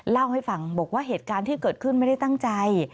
เล่าให้ฟังบอกว่าเหตุการณ์ที่เกิดขึ้นไม่ได้ตั้งใจ